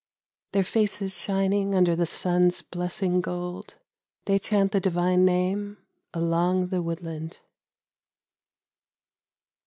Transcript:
Their faces shining under the sun's blessing gold, They chant the divine name along the woodland.